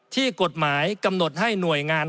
ที่กฎหมายกำหนดให้หน่วยงาน